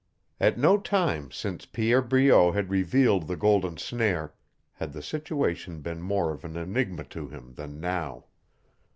At no time since Pierre Breault had revealed the golden snare had the situation been more of an enigma to him than now.